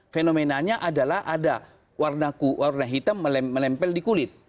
fenomenanya adalah ada warna hitam menempel di kulit